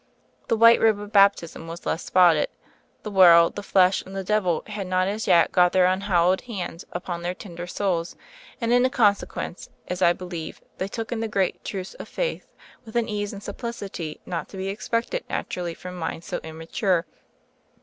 The white robe of Baptism was less spotted; the world, the flesh, and the devil had not as yet got their unhal lowed hands upon their tender souls, and, in consequence, as I believe, they took in the great truths of faith with an ease and simplicity not to be expected naturally from minds so immature.